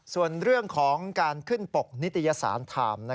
ส่วนเรื่องของการขึ้นปกนิตยสารไทม์